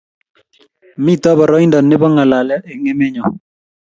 mito boroindo nibo ng'alale eng' emenyo